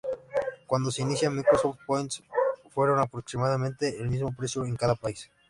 Cuando se inicia, Microsoft Points fueron aproximadamente el mismo precio en cada país.